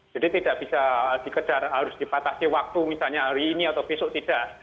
jadi tidak bisa dikedar harus dipatasi waktu misalnya hari ini atau besok tidak